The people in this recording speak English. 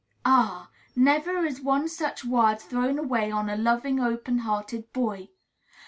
Ah! never is one such word thrown away on a loving, open hearted boy.